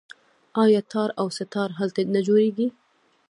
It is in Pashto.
آیا تار او سه تار هلته نه جوړیږي؟